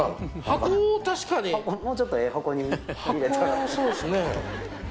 箱そうですね。